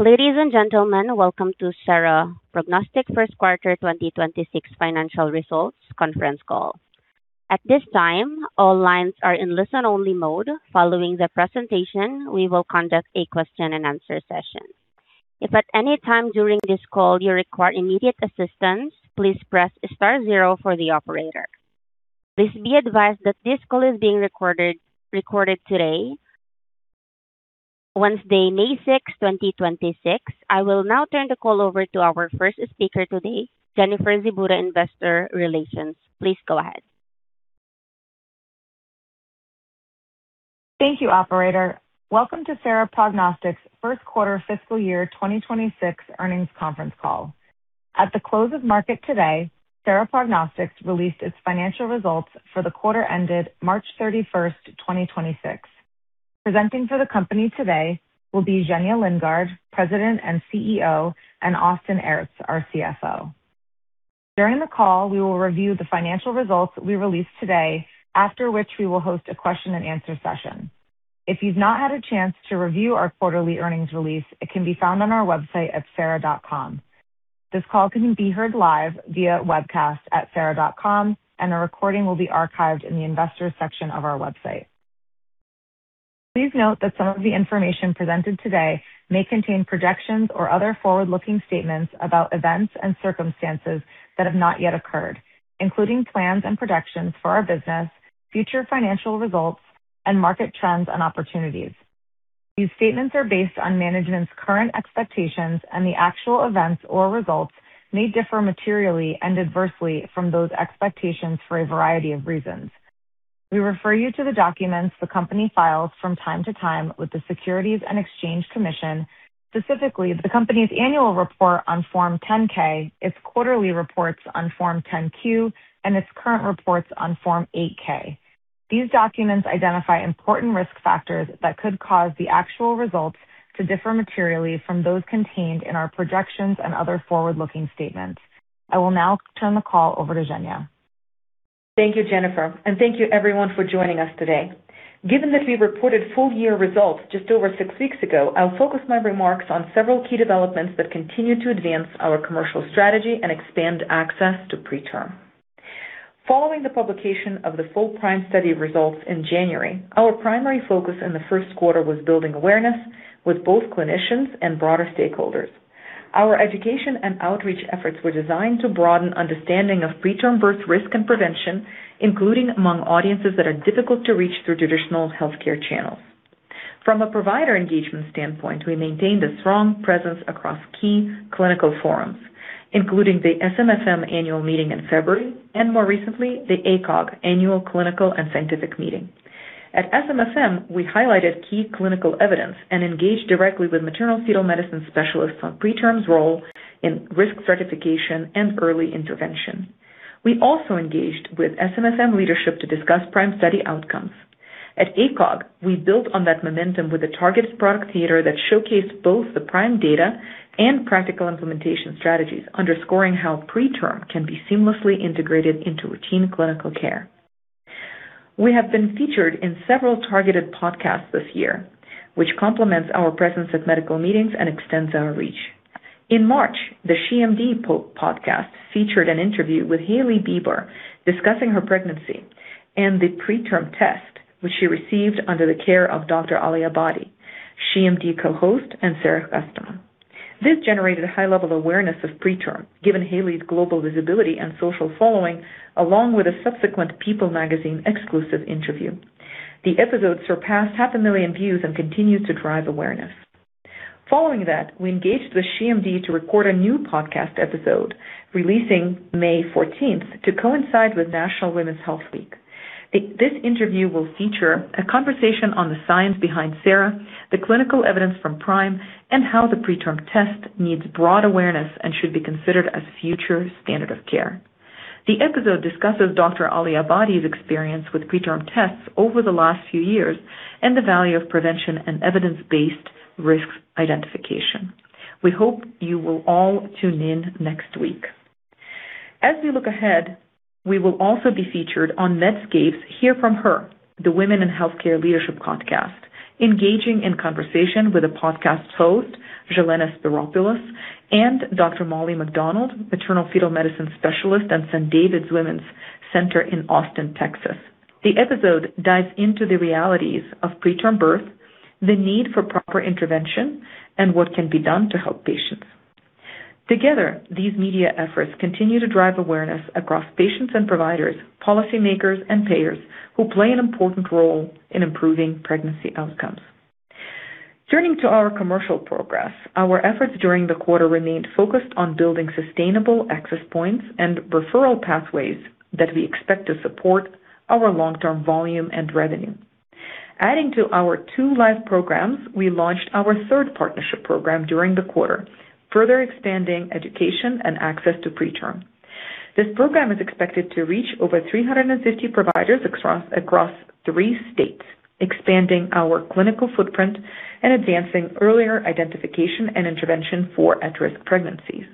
Ladies and gentlemen, welcome to Sera Prognostics first quarter 2026 financial results conference call. At this time, all lines are in listen-only mode. Following the presentation, we will conduct a question and answer session. If at any time during this call you require immediate assistance, please press star zero for the operator. Please be advised that this call is being recorded today, Wednesday, May 6, 2026. I will now turn the call over to our first speaker today, Jennifer Zibuda, Investor Relations. Please go ahead. Thank you, operator. Welcome to Sera Prognostics first quarter fiscal year 2026 earnings conference call. At the close of market today, Sera Prognostics released its financial results for the quarter ended March 31st, 2026. Presenting for the company today will be Zhenya Lindgardt, President and CEO, and Austin Aerts, our CFO. During the call, we will review the financial results we released today, after which we will host a question and answer session. If you've not had a chance to review our quarterly earnings release, it can be found on our website at sera.com. This call can be heard live via webcast at sera.com, and a recording will be archived in the investors section of our website. Please note that some of the information presented today may contain projections or other forward-looking statements about events and circumstances that have not yet occurred, including plans and projections for our business, future financial results, and market trends and opportunities. These statements are based on management's current expectations, the actual events or results may differ materially and adversely from those expectations for a variety of reasons. We refer you to the documents the company files from time to time with the Securities and Exchange Commission, specifically the company's annual report on Form 10-K, its quarterly reports on Form 10-Q, and its current reports on Form 8-K. These documents identify important risk factors that could cause the actual results to differ materially from those contained in our projections and other forward-looking statements. I will now turn the call over to Zhenya. Thank you, Jennifer, and thank you everyone for joining us today. Given that we reported full-year results just over six weeks ago, I'll focus my remarks on several key developments that continue to advance our commercial strategy and expand access to PreTRM. Following the publication of the full PRIME Study results in January, our primary focus in the first quarter was building awareness with both clinicians and broader stakeholders. Our education and outreach efforts were designed to broaden understanding of preterm birth risk and prevention, including among audiences that are difficult to reach through traditional healthcare channels. From a provider engagement standpoint, we maintained a strong presence across key clinical forums, including the SMFM Annual Meeting in February and more recently, the ACOG Annual Clinical and Scientific Meeting. At SMFM, we highlighted key clinical evidence and engaged directly with maternal fetal medicine specialists on PreTRM's role in risk stratification and early intervention. We also engaged with SMFM leadership to discuss PRIME study outcomes. At ACOG, we built on that momentum with a targeted product theater that showcased both the PRIME data and practical implementation strategies, underscoring how PreTRM can be seamlessly integrated into routine clinical care. We have been featured in several targeted podcasts this year, which complements our presence at medical meetings and extends our reach. In March, the SHE MD Podcast featured an interview with Hailey Bieber discussing her pregnancy and the PreTRM Test, which she received under the care of Dr. Aliabadi, SHE MD co-host and Sera customer. This generated a high level of awareness of PreTRM, given Hailey's global visibility and social following, along with a subsequent People magazine exclusive interview. The episode surpassed half a million views and continued to drive awareness. We engaged with SHE MD to record a new podcast episode releasing May 14th to coincide with National Women's Health Week. This interview will feature a conversation on the science behind Sera, the clinical evidence from PRIME, and how the PreTRM Test needs broad awareness and should be considered a future standard of care. The episode discusses Dr. Aliabadi's experience with PreTRM Tests over the last few years and the value of prevention and evidence-based risk identification. We hope you will all tune in next week. We will also be featured on Medscape's Hear From Her: The Women in Healthcare Leadership Podcast, engaging in conversation with the podcast host, Jelena Spyropoulos, and Dr. Mollie McDonnold, maternal fetal medicine specialist at St. David's Women's Center of Texas in Austin, Texas. The episode dives into the realities of preterm birth, the need for proper intervention, and what can be done to help patients. Together, these media efforts continue to drive awareness across patients and providers, policymakers, and payers who play an important role in improving pregnancy outcomes. Turning to our commercial progress, our efforts during the quarter remained focused on building sustainable access points and referral pathways that we expect to support our long-term volume and revenue. Adding to our two live programs, we launched our third partnership program during the quarter, further expanding education and access to PreTRM. This program is expected to reach over 350 providers across three states, expanding our clinical footprint and advancing earlier identification and intervention for at-risk pregnancies.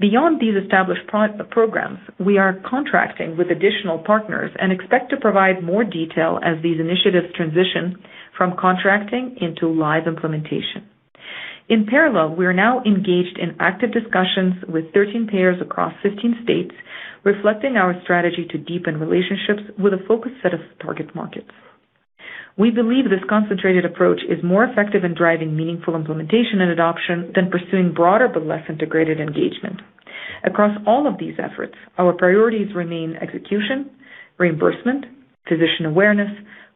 Beyond these established pro-programs, we are contracting with additional partners and expect to provide more detail as these initiatives transition from contracting into live implementation. In parallel, we are now engaged in active discussions with 13 payers across 15 states, reflecting our strategy to deepen relationships with a focused set of target markets. We believe this concentrated approach is more effective in driving meaningful implementation and adoption than pursuing broader but less integrated engagement. Across all of these efforts, our priorities remain execution, reimbursement, physician awareness,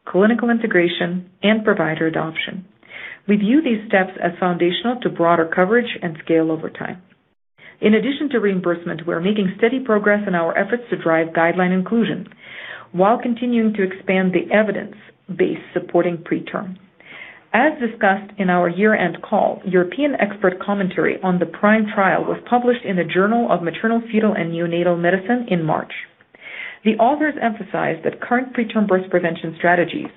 clinical integration, and provider adoption. We view these steps as foundational to broader coverage and scale over time. In addition to reimbursement, we are making steady progress in our efforts to drive guideline inclusion while continuing to expand the evidence base supporting PreTRM. As discussed in our year-end call, European expert commentary on the PRIME trial was published in The Journal of Maternal-Fetal & Neonatal Medicine in March. The authors emphasized that current preterm birth prevention strategies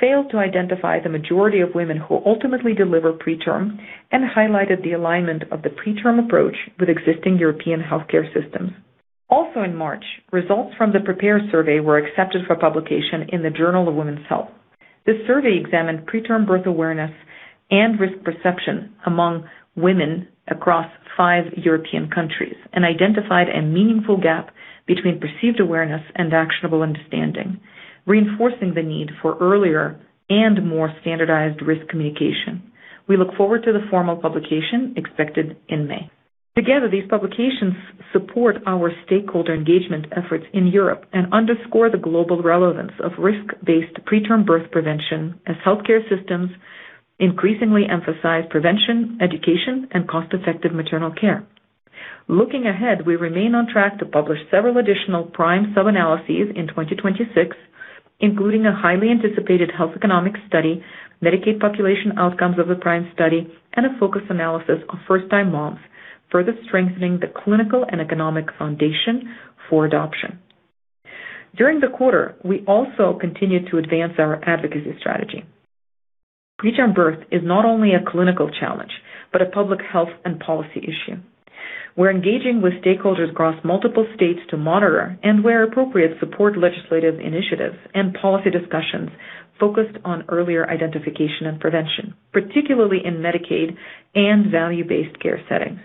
failed to identify the majority of women who ultimately deliver preterm and highlighted the alignment of the PreTRM approach with existing European healthcare systems. In March, results from the PREPARE survey were accepted for publication in the Journal of Women's Health. This survey examined preterm birth awareness and risk perception among women across five European countries and identified a meaningful gap between perceived awareness and actionable understanding, reinforcing the need for earlier and more standardized risk communication. We look forward to the formal publication expected in May. Together, these publications support our stakeholder engagement efforts in Europe and underscore the global relevance of risk-based preterm birth prevention as healthcare systems increasingly emphasize prevention, education, and cost-effective maternal care. Looking ahead, we remain on track to publish several additional PRIME sub-analyses in 2026, including a highly anticipated health economic study, Medicaid population outcomes of the PRIME study, and a focus analysis of first-time moms, further strengthening the clinical and economic foundation for adoption. During the quarter, we also continued to advance our advocacy strategy. Preterm birth is not only a clinical challenge, but a public health and policy issue. We're engaging with stakeholders across multiple states to monitor and, where appropriate, support legislative initiatives and policy discussions focused on earlier identification and prevention, particularly in Medicaid and value-based care settings.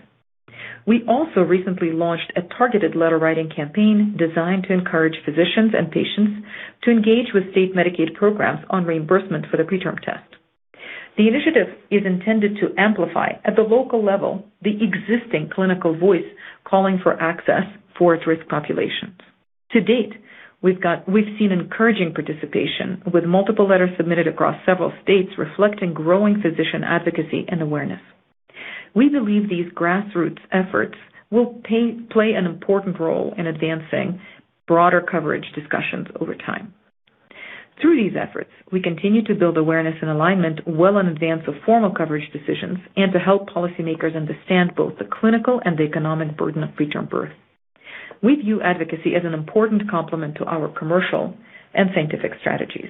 We also recently launched a targeted letter-writing campaign designed to encourage physicians and patients to engage with state Medicaid programs on reimbursement for the PreTRM test. The initiative is intended to amplify at the local level the existing clinical voice calling for access for at-risk populations. To date, we've seen encouraging participation with multiple letters submitted across several states reflecting growing physician advocacy and awareness. We believe these grassroots efforts will play an important role in advancing broader coverage discussions over time. Through these efforts, we continue to build awareness and alignment well in advance of formal coverage decisions and to help policymakers understand both the clinical and the economic burden of preterm birth. We view advocacy as an important complement to our commercial and scientific strategies.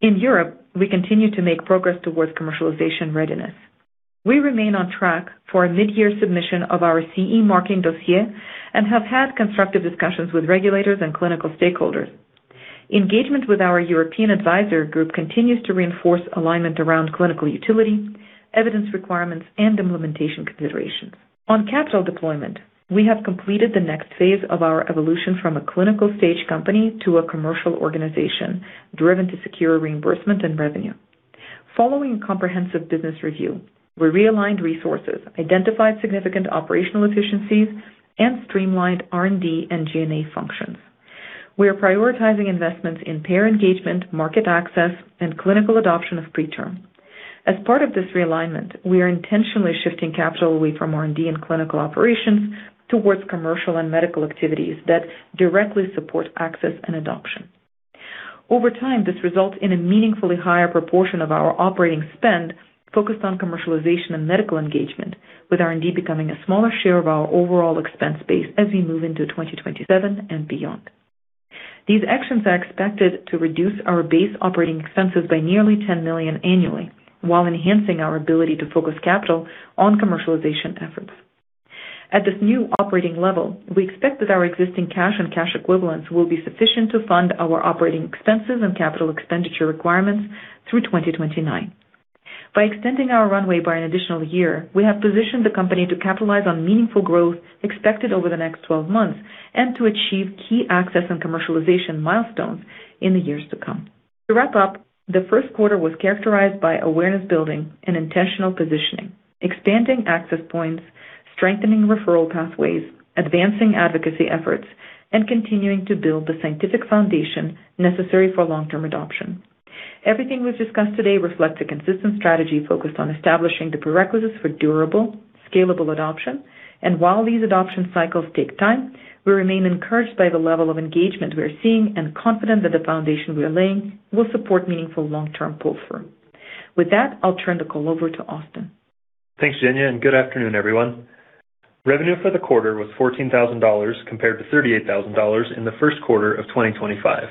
In Europe, we continue to make progress towards commercialization readiness. We remain on track for a mid-year submission of our CE marking dossier and have had constructive discussions with regulators and clinical stakeholders. Engagement with our European advisor group continues to reinforce alignment around clinical utility, evidence requirements, and implementation considerations. On capital deployment, we have completed the next phase of our evolution from a clinical stage company to a commercial organization driven to secure reimbursement and revenue. Following comprehensive business review, we realigned resources, identified significant operational efficiencies, and streamlined R&D and G&A functions. We are prioritizing investments in payer engagement, market access, and clinical adoption of PreTRM. As part of this realignment, we are intentionally shifting capital away from R&D and Clinical Operations towards commercial and medical activities that directly support access and adoption. Over time, this results in a meaningfully higher proportion of our operating spend focused on commercialization and medical engagement, with R&D becoming a smaller share of our overall expense base as we move into 2027 and beyond. These actions are expected to reduce our base operating expenses by nearly $10 million annually while enhancing our ability to focus capital on commercialization efforts. At this new operating level, we expect that our existing cash and cash equivalents will be sufficient to fund our operating expenses and capital expenditure requirements through 2029. By extending our runway by an additional year, we have positioned the company to capitalize on meaningful growth expected over the next 12 months and to achieve key access and commercialization milestones in the years to come. To wrap up, the first quarter was characterized by awareness building and intentional positioning, expanding access points, strengthening referral pathways, advancing advocacy efforts, and continuing to build the scientific foundation necessary for long-term adoption. Everything we've discussed today reflects a consistent strategy focused on establishing the prerequisites for durable, scalable adoption. While these adoption cycles take time, we remain encouraged by the level of engagement we are seeing and confident that the foundation we are laying will support meaningful long-term pull-through. With that, I'll turn the call over to Austin. Thanks, Zhenya, good afternoon, everyone. Revenue for the quarter was $14,000 compared to $38,000 in the first quarter of 2025.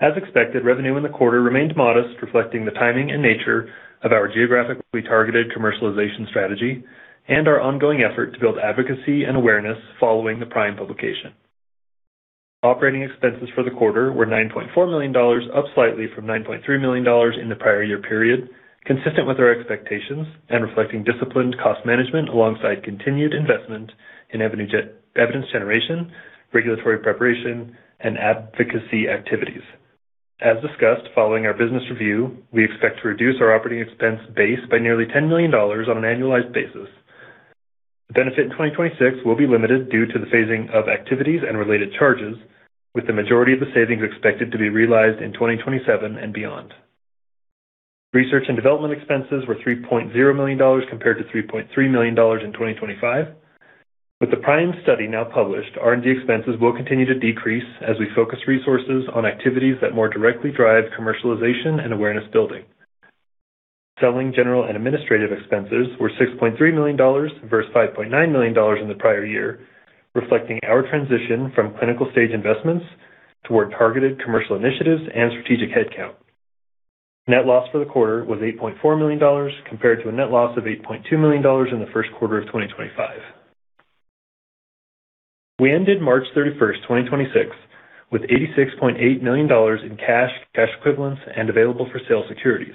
As expected, revenue in the quarter remained modest, reflecting the timing and nature of our geographically targeted commercialization strategy and our ongoing effort to build advocacy and awareness following the PRIME publication. Operating expenses for the quarter were $9.4 million, up slightly from $9.3 million in the prior year period, consistent with our expectations and reflecting disciplined cost management alongside continued investment in evidence generation, regulatory preparation, and advocacy activities. As discussed, following our business review, we expect to reduce our operating expense base by nearly $10 million on an annualized basis. The benefit in 2026 will be limited due to the phasing of activities and related charges, with the majority of the savings expected to be realized in 2027 and beyond. Research and development expenses were $3.0 million compared to $3.3 million in 2025. With the PRIME study now published, R&D expenses will continue to decrease as we focus resources on activities that more directly drive commercialization and awareness building. Selling general and administrative expenses were $6.3 million versus $5.9 million in the prior year, reflecting our transition from clinical stage investments toward targeted commercial initiatives and strategic headcount. Net loss for the quarter was $8.4 million compared to a net loss of $8.2 million in the first quarter of 2025. We ended March 31st, 2026, with $86.8 million in cash equivalents, and available for sale securities.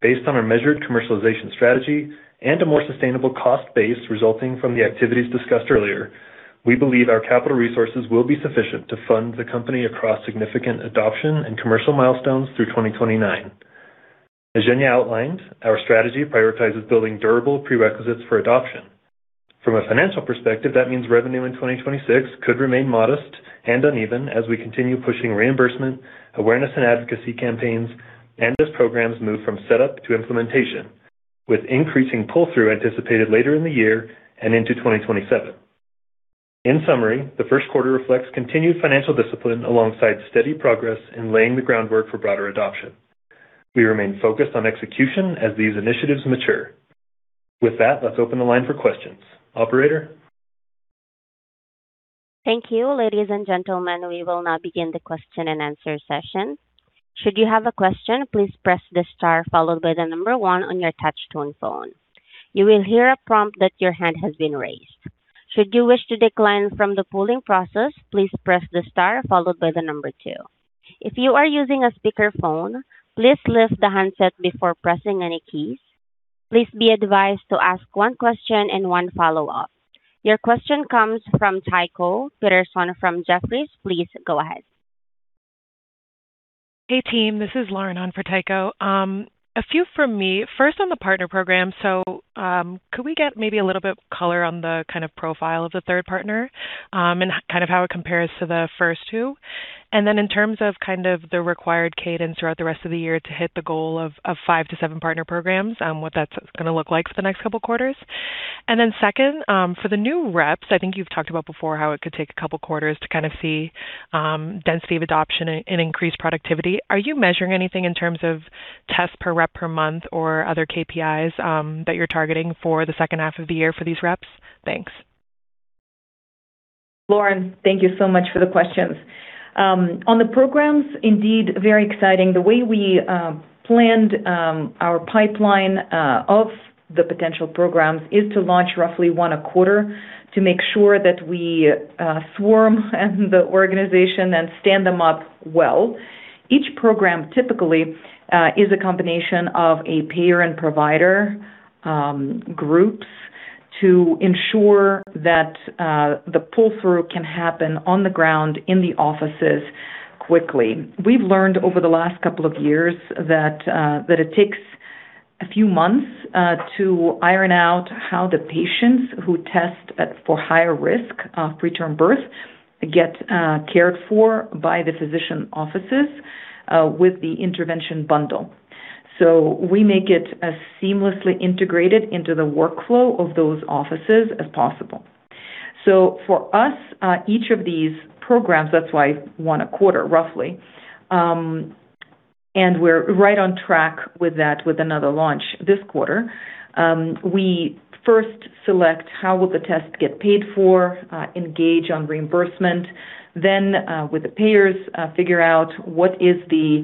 Based on our measured commercialization strategy and a more sustainable cost base resulting from the activities discussed earlier, we believe our capital resources will be sufficient to fund the company across significant adoption and commercial milestones through 2029. As Zhenya outlined, our strategy prioritizes building durable prerequisites for adoption. From a financial perspective, that means revenue in 2026 could remain modest and uneven as we continue pushing reimbursement, awareness and advocacy campaigns, and as programs move from setup to implementation, with increasing pull-through anticipated later in the year and into 2027. In summary, the first quarter reflects continued financial discipline alongside steady progress in laying the groundwork for broader adoption. We remain focused on execution as these initiatives mature. With that, let's open the line for questions. Operator. Thank you. Ladies and gentlemen, we will now begin the question and answer session. Should you have a question, please press the star followed by the number one on your touch-tone phone. You will hear a prompt that your hand has been raised. Should you wish to decline from the polling process, please press the star followed by the number two. If you are using a speakerphone, please lift the handset before pressing any keys. Please be advised to ask one question and one follow-up. Your question comes from Tycho Peterson from Jefferies. Please go ahead. Hey, team. This is Lauren on for Tycho. A few from me. First on the partner program. Could we get maybe a little bit color on the kind of profile of the third partner, and kind of how it compares to the first two? In terms of kind of the required cadence throughout the rest of the year to hit the goal of five to seven partner programs, what that's gonna look like for the next couple quarters. Second, for the new reps, I think you've talked about before how it could take couple quarters to kind of see density of adoption and increased productivity. Are you measuring anything in terms of tests per rep per month or other KPIs that you're targeting for the second half of the year for these reps? Thanks. Lauren, thank you so much for the questions. On the programs, indeed, very exciting. The way we planned our pipeline of the potential programs is to launch roughly one a quarter to make sure that we swarm the organization and stand them up well. Each program typically is a combination of a payer and provider groups to ensure that the pull-through can happen on the ground in the offices quickly. We've learned over the last couple of years that it takes a few months to iron out how the patients who test for higher risk of preterm birth get cared for by the physician offices with the intervention bundle. We make it as seamlessly integrated into the workflow of those offices as possible. For us, each of these programs, that's why one a quarter, roughly, and we're right on track with that with another launch this quarter. We first select how will the test get paid for, engage on reimbursement, then, with the payers, figure out what is the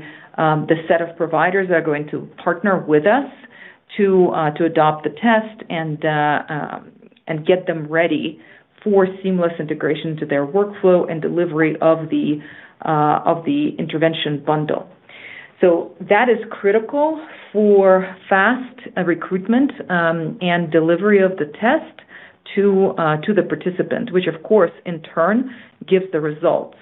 set of providers that are going to partner with us to adopt the test and get them ready for seamless integration to their workflow and delivery of the, of the intervention bundle. That is critical for fast recruitment, and delivery of the test to the participant, which of course in turn gives the results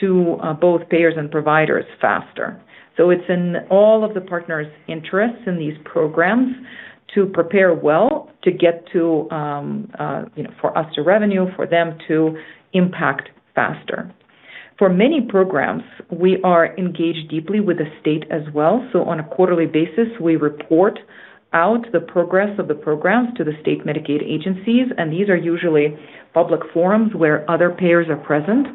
to, both payers and providers faster. It's in all of the partners' interests in these programs to prepare well to get to, you know, for us to revenue, for them to impact faster. For many programs, we are engaged deeply with the state as well. On a quarterly basis, we report out the progress of the programs to the state Medicaid agencies, and these are usually public forums where other payers are present.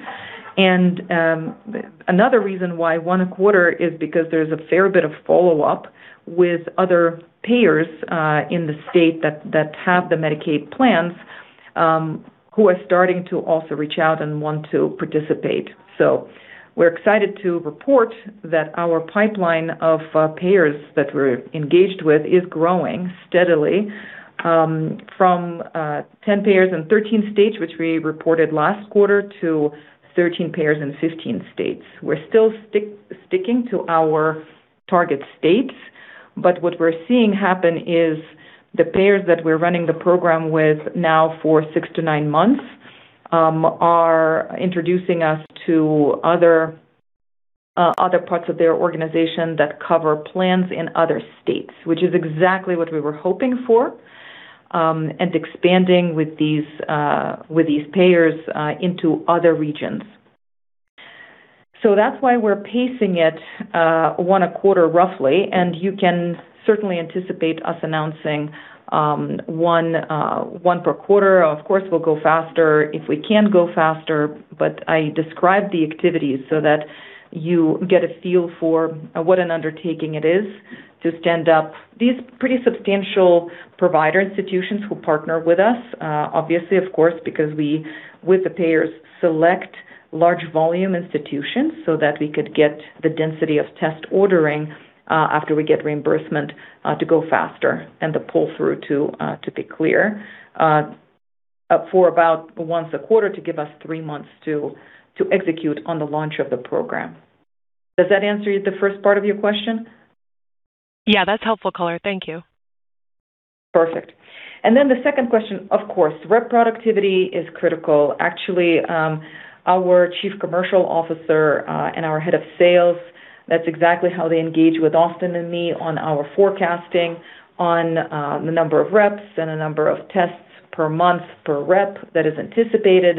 Another reason why one a quarter is because there's a fair bit of follow-up with other payers in the state that have the Medicaid plans who are starting to also reach out and want to participate. We're excited to report that our pipeline of payers that we're engaged with is growing steadily from 10 payers in 13 states, which we reported last quarter, to 13 payers in 15 states. We're still sticking to our target states, but what we're seeing happen is the payers that we're running the program with now for six to nine months, are introducing us to other parts of their organization that cover plans in other states, which is exactly what we were hoping for, and expanding with these payers into other regions. That's why we're pacing it one a quarter roughly, and you can certainly anticipate us announcing one per quarter. Of course, we'll go faster if we can go faster, but I described the activities so that you get a feel for what an undertaking it is to stand up these pretty substantial provider institutions who partner with us, obviously, of course, because we, with the payers, select large volume institutions so that we could get the density of test ordering, after we get reimbursement, to go faster and the pull-through to be clear, for about once a quarter to give us three months to execute on the launch of the program. Does that answer the first part of your question? Yeah, that's helpful color. Thank you. Perfect. The second question, of course. Rep productivity is critical. Actually, our chief commercial officer and our head of sales, that's exactly how they engage with Austin and me on our forecasting on the number of reps and the number of tests per month per rep that is anticipated,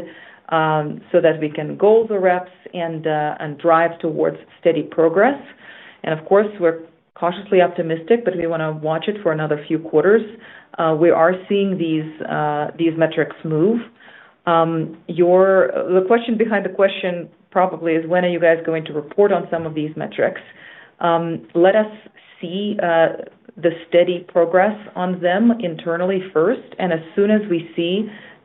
so that we can goal the reps and drive towards steady progress. Of course, we're cautiously optimistic, but we want to watch it for another few quarters. We are seeing these metrics move. The question behind the question probably is, when are you guys going to report on some of these metrics? Let us see the steady progress on them internally first, and as soon as we see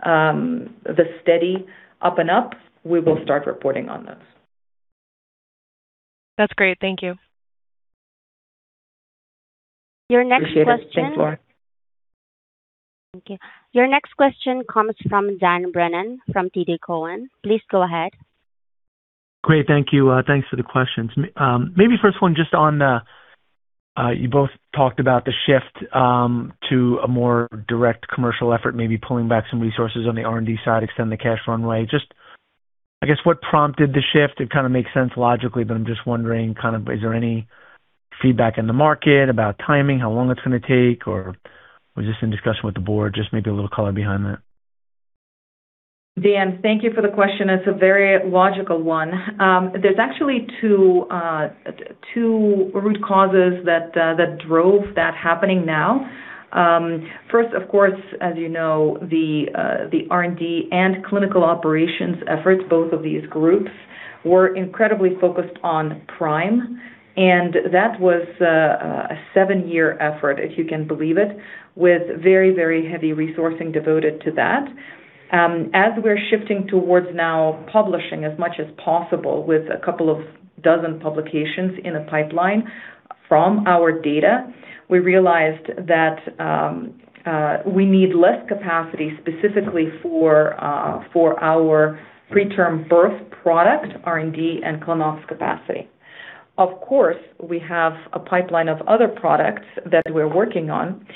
the steady up and up, we will start reporting on those. That's great. Thank you. Your next question. Appreciate it. Thanks, Lauren. Thank you. Your next question comes from Dan Brennan from TD Cowen. Please go ahead. Great. Thank you. Thanks for the questions. Maybe first one just on, you both talked about the shift to a more direct commercial effort, maybe pulling back some resources on the R&D side, extend the cash runway. Just, I guess, what prompted the shift? It kinda makes sense logically, but I'm just wondering, kind of, is there any feedback in the market about timing, how long it's gonna take, or was this in discussion with the board? Just maybe a little color behind that. Dan, thank you for the question. It's a very logical one. There's actually two root causes that drove that happening now. First, of course, as you know, the R&D and Clinical Operations efforts, both of these groups, were incredibly focused on PRIME, and that was a seven-year effort, if you can believe it, with very, very heavy resourcing devoted to that. As we're shifting towards now publishing as much as possible with a couple of dozen publications in the pipeline from our data, we realized that we need less capacity specifically for our preterm birth product, R&D and Clinical Operations capacity. Of course, we have a pipeline of other products that we're working on.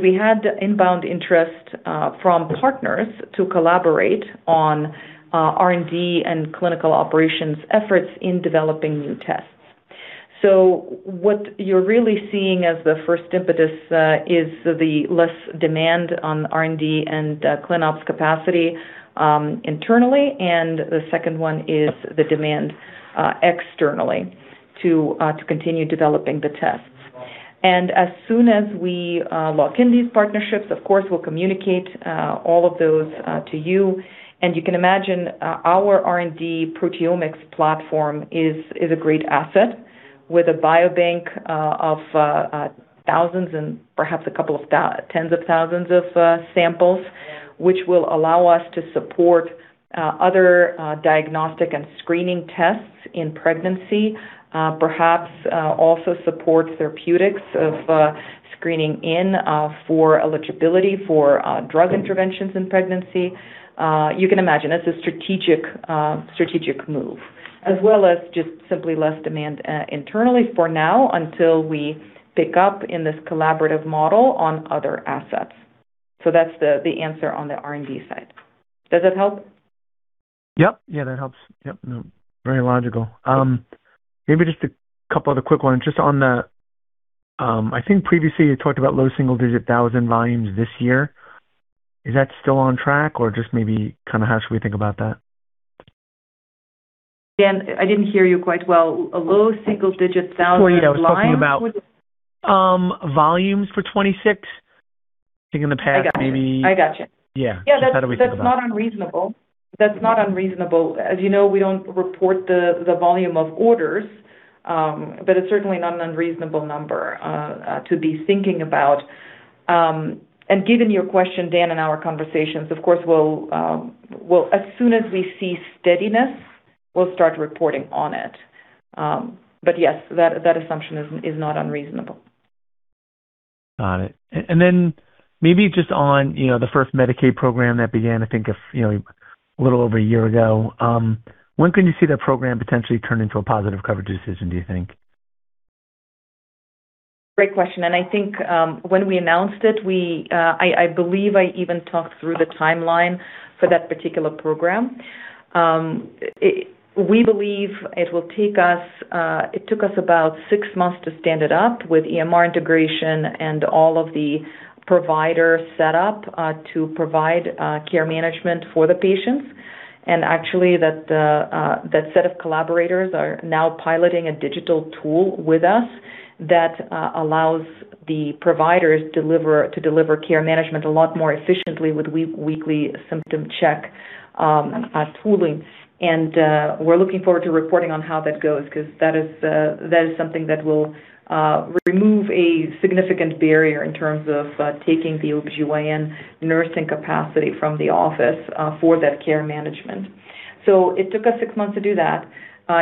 We had inbound interest from partners to collaborate on R&D and Clinical Operations efforts in developing new tests. What you're really seeing as the first impetus is the less demand on R&D and Clinical Operations capacity internally, and the second one is the demand externally to continue developing the tests. As soon as we lock in these partnerships, of course, we'll communicate all of those to you. You can imagine, our R&D proteomics platform is a great asset with a biobank of thousands and perhaps tens of thousands of samples, which will allow us to support other diagnostic and screening tests in pregnancy, perhaps also support therapeutics of screening in for eligibility for drug interventions in pregnancy. You can imagine that's a strategic move, as well as just simply less demand internally for now until we pick up in this collaborative model on other assets. That's the answer on the R&D side. Does that help? Yep. Yeah, that helps. Yep. No, very logical. Maybe just a couple other quick ones. Just on the, I think previously you talked about low single-digit thousand volumes this year. Is that still on track or just maybe kind of how should we think about that? Dan, I didn't hear you quite well. A low single-digit thousand volumes? I was talking about, volumes for 2026. I got you. I got you. Yeah. How do we think about it? Yeah, that's not unreasonable. That's not unreasonable. As you know, we don't report the volume of orders, but it's certainly not an unreasonable number to be thinking about. Given your question, Dan, in our conversations, of course, we'll as soon as we see steadiness, we'll start reporting on it. Yes, that assumption is not unreasonable. Got it. Maybe just on, you know, the first Medicaid program that began, I think of, you know, a little over a year ago, when can you see that program potentially turn into a positive coverage decision, do you think? Great question. I believe I even talked through the timeline for that particular program. We believe it will take us, it took us about six months to stand it up with EMR integration and all of the provider setup, to provide care management for the patients. Actually that set of collaborators are now piloting a digital tool with us that allows the providers to deliver care management a lot more efficiently with weekly symptom check tooling. We're looking forward to reporting on how that goes 'cause that is something that will remove a significant barrier in terms of taking the OBGYN nursing capacity from the office for that care management. It took us six months to do that.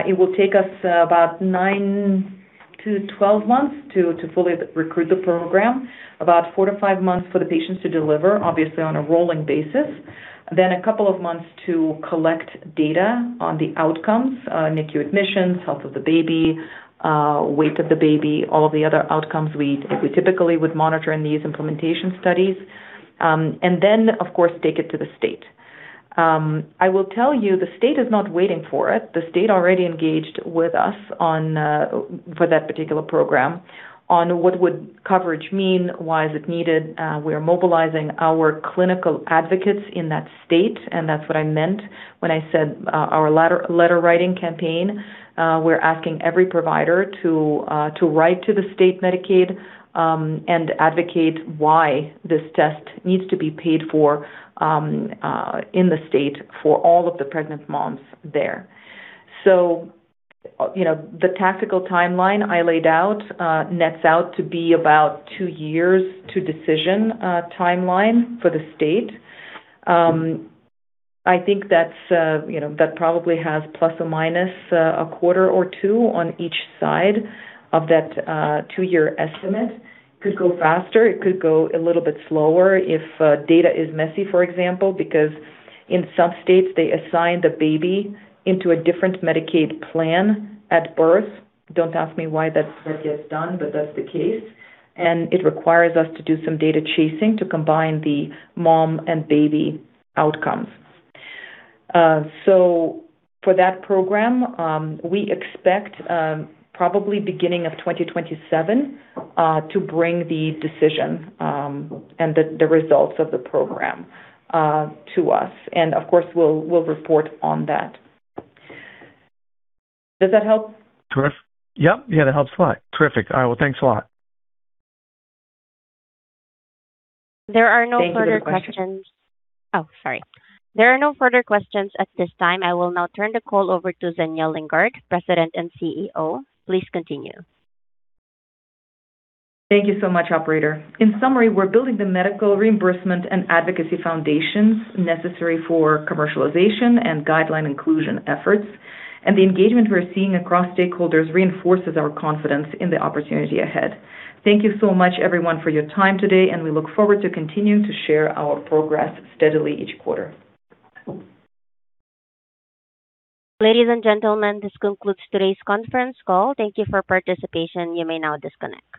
It will take us about nine to 12 months to fully recruit the program. About four to five months for the patients to deliver, obviously on a rolling basis. A couple of months to collect data on the outcomes, NICU admissions, health of the baby, weight of the baby, all of the other outcomes we typically would monitor in these implementation studies. Of course, take it to the state. I will tell you the state is not waiting for it. The state already engaged with us on for that particular program on what would coverage mean, why is it needed. We are mobilizing our clinical advocates in that state, and that's what I meant when I said our letter-writing campaign. We're asking every provider to write to the state Medicaid and advocate why this test needs to be paid for in the state for all of the pregnant moms there. You know, the tactical timeline I laid out nets out to be about two years to decision timeline for the state. I think that's, you know, that probably has plus or minus a quarter or two on each side of that two-year estimate. Could go faster, it could go a little bit slower if data is messy, for example, because in some states, they assign the baby into a different Medicaid plan at birth. Don't ask me why that gets done, that's the case. It requires us to do some data chasing to combine the mom and baby outcomes. For that program, we expect, probably beginning of 2027, to bring the decision, and the results of the program, to us. Of course, we'll report on that. Does that help? Yep. Yeah, that helps a lot. Terrific. All right. Well, thanks a lot. There are no further questions. Thank you for the question. Sorry. There are no further questions at this time. I will now turn the call over to Zhenya Lindgardt, President and CEO. Please continue. Thank you so much, operator. In summary, we're building the medical reimbursement and advocacy foundations necessary for commercialization and guideline inclusion efforts. The engagement we're seeing across stakeholders reinforces our confidence in the opportunity ahead. Thank you so much, everyone, for your time today. We look forward to continuing to share our progress steadily each quarter. Ladies and gentlemen, this concludes today's conference call. Thank you for participation. You may now disconnect.